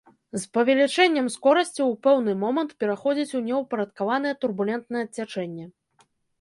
З павелічэннем скорасці ў пэўны момант пераходзіць у неўпарадкаванае турбулентнае цячэнне.